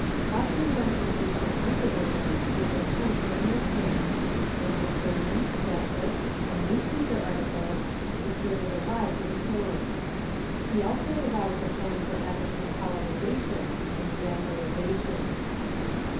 Hopkins entered into the controversy Avith intense earnestness, and his sermons, pamphlets, and newspaper arti cles exerted a Avide influence. He also devised a plan for African colonization and evangelization.